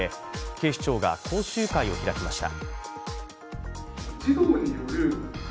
警視庁が講習会を開きました。